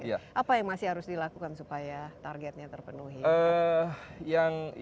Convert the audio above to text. apa yang masih harus dilakukan supaya targetnya terpenuhi